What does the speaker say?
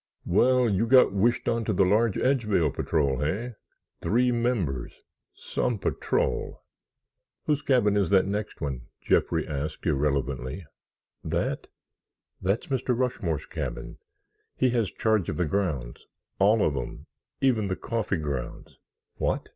"Well, you got wished onto the large Edgevale Patrol, hey? Three members. Some patrol!" "Whose cabin is that next one?" Jeffrey asked irrelevantly. "That? That's Mr. Rushmore's cabin. He has charge of the grounds—all of 'em, even the coffee grounds." "What?"